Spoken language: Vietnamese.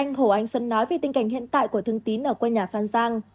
anh hồ ánh xuân nói về tình cảnh hiện tại của thương tín ở quê nhà phan sang